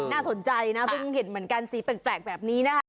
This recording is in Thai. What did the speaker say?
น่าสนใจนะเพิ่งเห็นเหมือนกันสีแปลกแบบนี้นะคะ